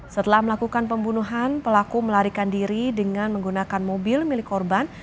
setelah melakukan pembunuhan pelaku melarikan diri dengan menggunakan mobil milik korban